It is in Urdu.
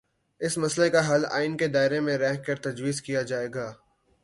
اس مسئلے کا حل آئین کے دائرے میں رہ کرتجویز کیا جائے گا۔